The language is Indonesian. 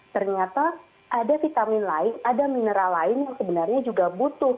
ternyata ada vitamin lain ada mineral lain yang sebenarnya juga butuh